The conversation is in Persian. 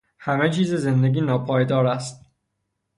همه چیز زندگی ناپایدار است.